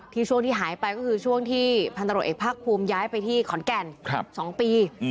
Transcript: ช่วงที่หายไปก็คือช่วงที่พันตรวจเอกภาคภูมิย้ายไปที่ขอนแก่น๒ปี